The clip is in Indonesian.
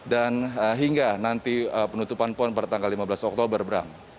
dan hingga nanti penutupan pon pada tanggal lima belas oktober berang